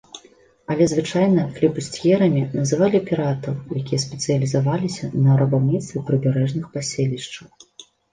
Але звычайна флібусцьерамі называлі піратаў, якія спецыялізаваліся на рабаўніцтве прыбярэжных паселішчаў.